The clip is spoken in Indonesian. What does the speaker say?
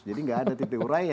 jadi tidak ada titik urai